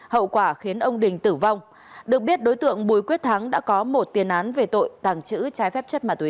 hậu quả khiến ông đình tử vong được biết đối tượng bùi quyết thắng đã có một tiền án về tội tàng trữ trái phép chất ma túy